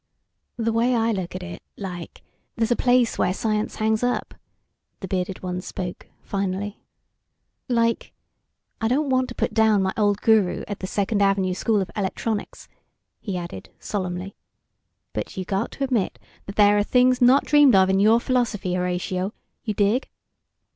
"The way I look at it, like, there's a place where science hangs up," the bearded one spoke, finally. "Like, I don't want to put down my old Guru at the Second Avenue School of Electronics," he added, solemnly. "But you got to admit that there are things not dreamed of in your philosophy, Horatio. You dig?"